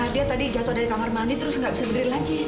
dia tadi jatuh dari kamar mandi terus nggak bisa berdiri lagi